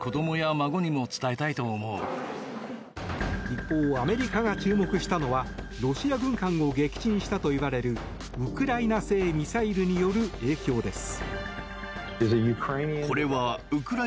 一方、アメリカが注目したのはロシア軍艦を撃沈したといわれるウクライナ製ミサイルによる影響です。